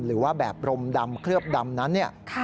หรือว่าแบบรมดำเคลือบดำนั้นเนี่ย